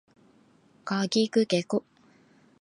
かきくけこ